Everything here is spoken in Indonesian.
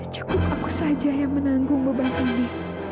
cukup aku saja yang menanggung beban ini